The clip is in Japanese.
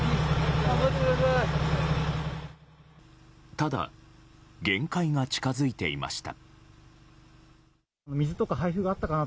ただ限界が近づいていました。